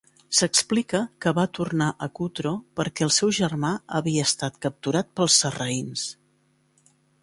S'explica que va tornar a Cutro perquè el seu germà havia estat capturat pels sarraïns.